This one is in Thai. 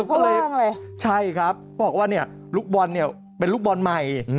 ก็เลยใช่ครับบอกว่าเนี่ยลูกบอลเนี่ยเป็นลูกบอลใหม่